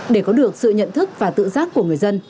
để có được sự nhận thức và tự giác của người dân